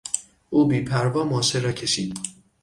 او بیپروا ماشه را کشید.